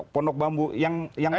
pondok bambu yang